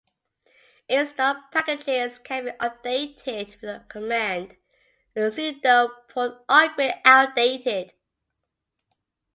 Installed packages can be updated with the command sudo port upgrade outdated.